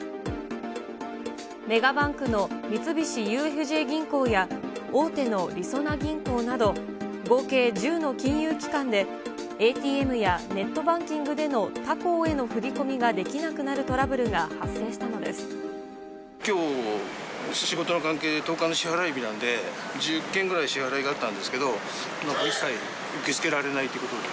メガバンクの三菱ＵＦＪ銀行や大手のりそな銀行など、合計１０の金融機関で、ＡＴＭやネットバンキングでの他行への振り込みができなくなるトきょう、仕事の関係で１０日の支払い日なんで、１０件くらい支払いがあったんですけど、一切受け付けられないということで。